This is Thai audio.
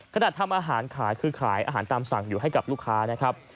ขนาดทำอาหารขายคือขายอาหารตามสั่งอยู่ให้กับลูกค้านะครับ